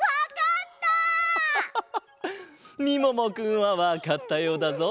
みももくんはわかったようだぞ。